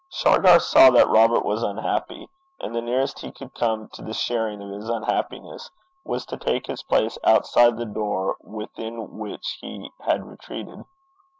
Shargar saw that Robert was unhappy, and the nearest he could come to the sharing of his unhappiness was to take his place outside the door within which he had retreated.